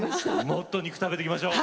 もっと肉食べていきましょう！